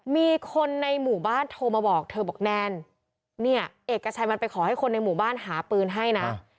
มีคนในหมู่บ้านโทรมาบอกเธอบอกแนนเนี่ยเอกชัยมันไปขอให้คนในหมู่บ้านหาปืนให้นะ